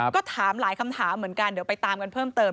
ก็ถามหลายคำถามเหมือนกันเดี๋ยวไปตามกันเพิ่มเติม